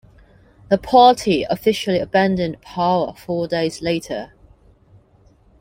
The party officially abandoned power four days later.